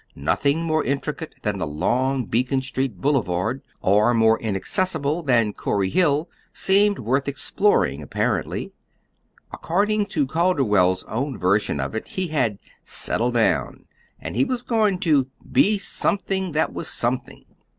Nothing more intricate than the long Beacon Street boulevard, or more inaccessible than Corey Hill seemed worth exploring, apparently. According to Calderwell's own version of it, he had "settled down"; he was going to "be something that was something."